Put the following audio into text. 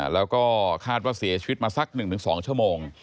แล้วก็คาดว่าเสียชีวิตมาสัก๑๒ชั่วโมง